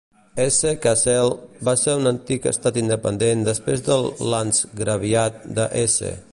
Hesse-Kassel va ser un antic estat independent després del Landgraviat de Hesse.